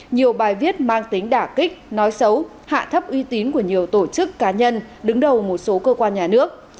nhiều bài viết mang tính đả kích nói xấu hạ thấp uy tín của nhiều tổ chức cá nhân đứng đầu một số cơ quan nhà nước